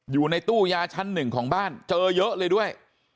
อยู่ในตู้ยาชั้นหนึ่งของบ้านเจอเยอะเลยด้วย